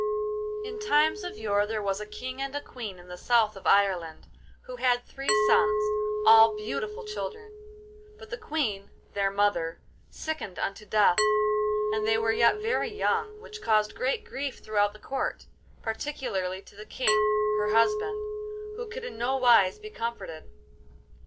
In times of yore there was a King and a Queen in the south of Ireland who had three sons, all beautiful children; but the Queen, their mother, sickened unto death when they were yet very young, which caused great grief throughout the Court, particularly to the King, her husband, who could in no wise be comforted.